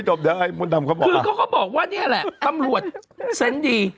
จริงคือเขาก็บอกว่าเนี่ยแหละตำรวจเซ็นดี